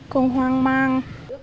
không hoang mang